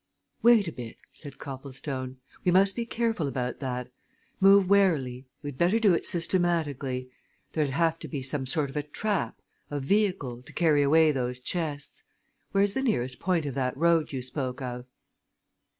"Wait a bit," said Copplestone. "We must be careful about that. Move warily. We 'd better do it systematically. There'd have to be some sort of a trap, a vehicle, to carry away those chests. Where's the nearest point of that road you spoke of?"